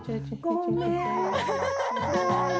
ごめんね。